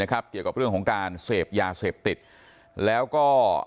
เกี่ยวกับเรื่องของการเสพยาเสพติดแล้วก็